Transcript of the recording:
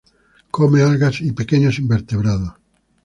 Come algas y pequeños invertebrados.